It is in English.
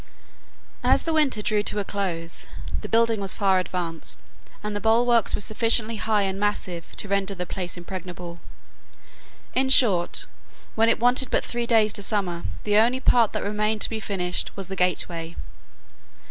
As the winter drew to a close, the building was far advanced, and the bulwarks were sufficiently high and massive to render the place impregnable. In short, when it wanted but three days to summer, the only part that remained to be finished was the gateway.